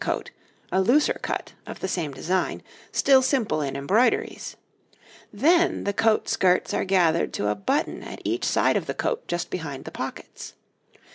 coat, a looser cut of the same design, still simple in embroideries; then the coat skirts are gathered to a button at each side of the coat just behind the pockets.